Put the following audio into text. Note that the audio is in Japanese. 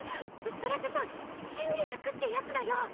それってさ心理学ってやつだよ。